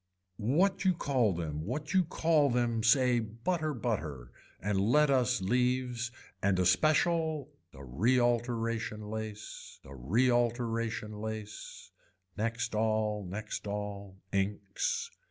What you call them what you call them say butter butter and let us leaves and a special a realteration lace a realteration lace. Next all, next all, inks.